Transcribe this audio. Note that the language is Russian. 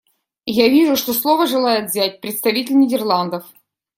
Я вижу, что слово желает взять представитель Нидерландов.